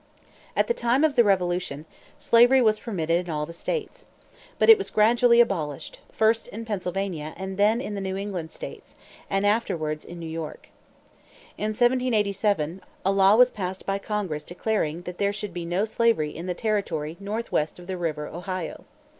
At the time of the Revolution, slavery was permitted in all the states. But it was gradually abolished, first in Pennsylvania and then in the New England states, and afterwards in New York. In 1787, a law was passed by Congress declaring that there should be no slavery in the territory northwest of the river Ohio.